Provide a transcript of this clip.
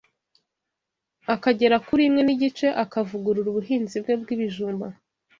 akagera kuri imwe n’igice, akavugurura ubuhinzi bwe bw’ibijumb